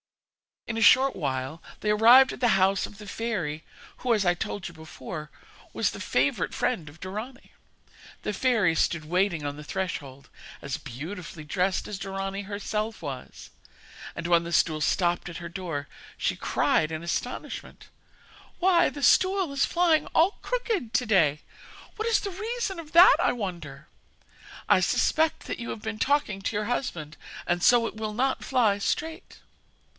In a short while they arrived at the house of the fairy who, as I told you before, was the favourite friend of Dorani. The fairy stood waiting on the threshold, as beautifully dressed as Dorani herself was, and when the stool stopped at her door she cried in astonishment: 'Why, the stool is flying all crooked to day! What is the reason of that, I wonder? I suspect that you have been talking to your husband, and so it will not fly straight.'